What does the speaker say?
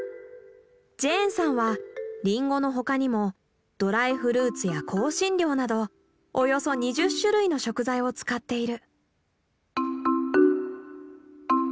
ジェーンさんはリンゴの他にもドライフルーツや香辛料などおよそ２０種類の食材を使っている。